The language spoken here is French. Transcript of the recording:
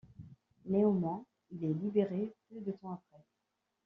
Néanmoins, il est libéré peu de temps après.